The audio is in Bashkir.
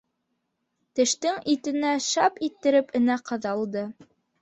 Тештең итенә шап иттереп энә ҡаҙалды.